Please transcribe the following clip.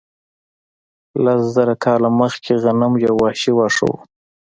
لس زره کاله مخکې غنم یو وحشي واښه و.